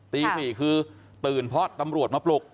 ตี๔คือตื่นเพราะตำรวจมาปลุก